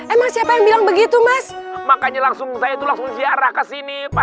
emang siapa yang bilang begitu mas makanya langsung saya tulang sejarah ke sini pas